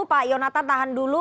pak ionatan tahan dulu